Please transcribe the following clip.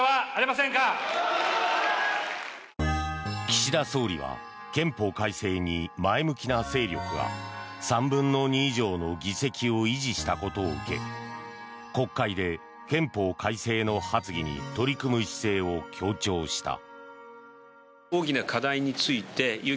岸田総理は憲法改正に前向きな勢力が３分の２以上の議席を維持したことを受け国会で、憲法改正の発議に取り組む姿勢を強調した。